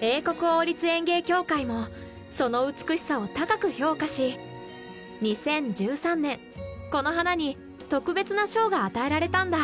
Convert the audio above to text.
英国王立園芸協会もその美しさを高く評価し２０１３年この花に特別な賞が与えられたんだ。